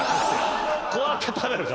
こうやって食べるから。